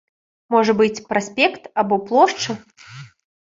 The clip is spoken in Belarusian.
Можа быць, праспект або плошча?